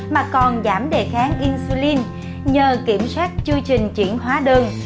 mà còn giảm đề kháng insulin nhờ kiểm soát chư trình chuyển hóa đường